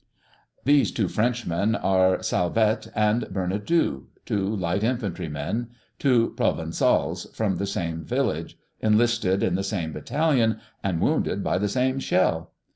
These two Frenchmen are Salvette and Bernadou, two light infantry men, two Provençals from the same village, enlisted in the same battalion and wounded by the same shell.